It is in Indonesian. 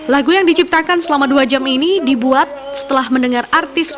lagu yang diciptakan selama dua jam ini dibuat setelah mendengar artis